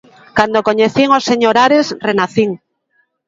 Cando coñecín o señor Ares, renacín.